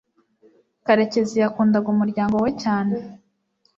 karekezi yakundaga umuryango we cyane